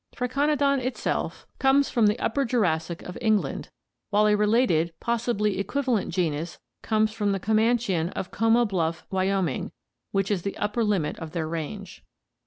Triconodon itself conies from the Upper Jurassic of England, while a related, possibly equivalent genus comes from the Comanchian of Como Bluff, Wyoming, which is the upper limit of their range.